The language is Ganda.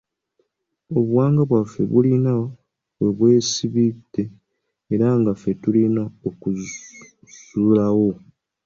Obuwangwa bwaffe bulina we bwesibidde era nga ffe tulina okuzuulawo.